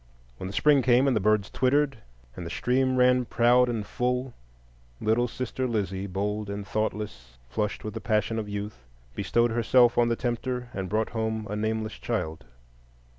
When the spring came, and the birds twittered, and the stream ran proud and full, little sister Lizzie, bold and thoughtless, flushed with the passion of youth, bestowed herself on the tempter, and brought home a nameless child.